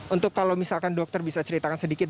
untuk kalau misalkan dokter bisa ceritakan sedikit